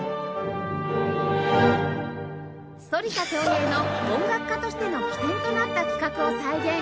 反田恭平の音楽家としての起点となった企画を再現